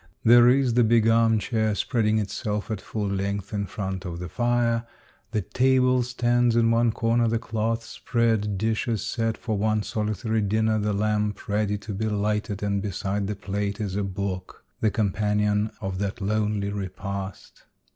There is the big arm chair spreading itself at full length in front of the fire ; the table stands in one corner, the cloth spread, dishes set for one solitary diner, the lamp ready to be lighted, and beside the plate is a book, the companion of that lonely re past.